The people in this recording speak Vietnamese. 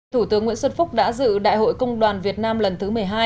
thủ tướng nguyễn xuân phúc đã dự đại hội công đoàn việt nam lần thứ một mươi hai